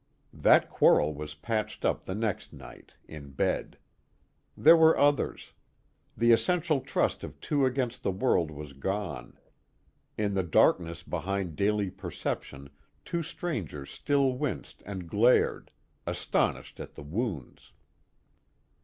That quarrel was patched up the next night, in bed. There were others. The essential trust of two against the world was gone: in the darkness behind daily perception two strangers still winced and glared, astonished at the wounds.